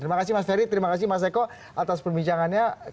terima kasih mas ferry terima kasih mas eko atas perbincangannya